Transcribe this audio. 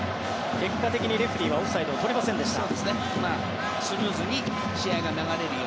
結果的にレフェリーはオフサイドを取りませんでした。